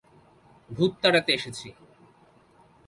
ভুত তাড়াতে এসেছি।